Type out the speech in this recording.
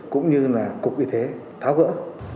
cũng như là cục y thế tháo gỡ